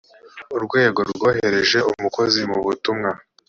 urwego rwohereje umukozi mu butumwa